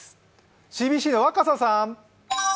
ＣＢＣの若狭さん。